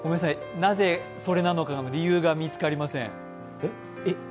なぜそれなのかの理由が見つかりません。